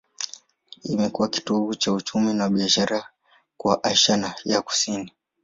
Imekuwa kitovu cha uchumi na biashara kwa Asia ya Kusini.